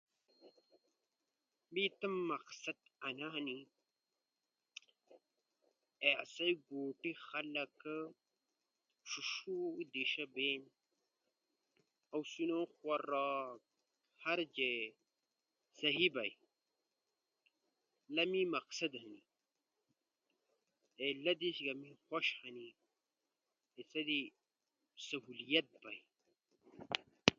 می تمو مقصد انا ہنی کہ آسئی گوٹے خلق شیشو دیشا بین، شینو غورا ہر جے سہی بئی۔ لا می مقصد ہنی۔ اے لا دیس می خوش ہنی جے سا دی سہولت بئینا۔